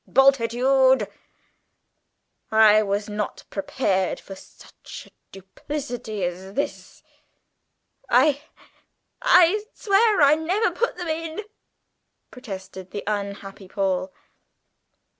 Bultitude, I was not prepared for such duplicity as this!" "I I swear I never put them in!" protested the unhappy Paul.